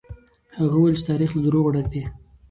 هغه وويل چې تاريخ له دروغو ډک دی.